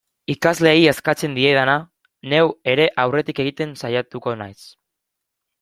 Ikasleei eskatzen diedana, neu ere aurretik egiten saiatuko naiz.